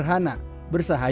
bersahabat dan berpengalaman